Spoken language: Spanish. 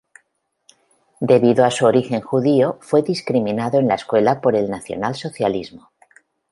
Debido a su origen judío fue discriminado en la escuela por el Nacionalsocialismo.